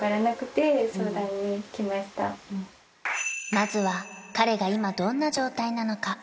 まずは彼が今どんな状態なのか聞いてみた